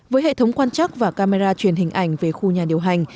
với hệ thống quan chắc và camera truyền hình ảnh về khu nhà điều hành